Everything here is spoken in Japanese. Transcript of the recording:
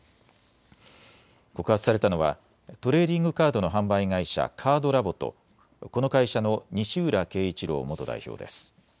告発されたのはトレーディングカードの販売会社、カードラボとこの会社の西浦恵一郎元代表です。